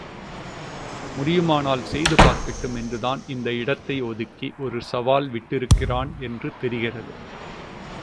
முடியுமானால் செய்து பார்க்கட்டும் என்றுதான் இந்த இடத்தை ஒதுக்கி ஒரு சவால் விட்டிருக்கிறான் என்று தெரிகிறது.